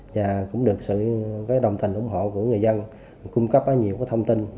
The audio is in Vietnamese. và cũng được sự đồng tình ủng hộ của người dân cung cấp nhiều thông tin